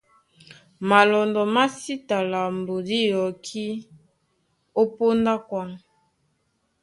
Malɔndɔ má sí ta lambo dí yɔkí ó póndá a kwaŋ.